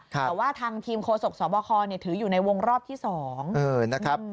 แต่ว่าทางทีมโฆษกสบคถืออยู่ในวงรอบที่๒นะครับ